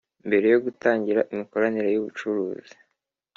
mbere yo gutangira imikoranire y’ ubucuruzi